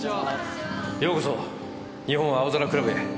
ようこそ日本青空クラブへ。